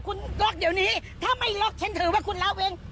คุณล็อกเดี๋ยวนี้ถ้าไม่ล็อกเช่นเถอะว่าคุณเล่าเว้น